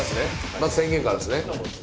まず宣言からですね。